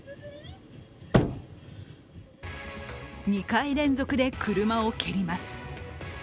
２回連続で車を蹴ります。